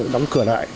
đóng cửa lại